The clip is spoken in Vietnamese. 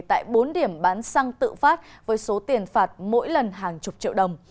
tại bốn điểm bán xăng tự phát với số tiền phạt mỗi lần hàng chục triệu đồng